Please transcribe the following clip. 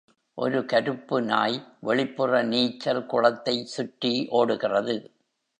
ஒரு கருப்பு நாய் வெளிப்புற நீச்சல் குளத்தை சுற்றி ஓடுகிறது.